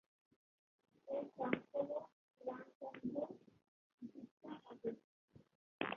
এর সংকলক রামচন্দ্র বিদ্যাবাগীশ।